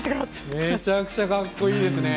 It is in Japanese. めちゃくちゃかっこいいですね！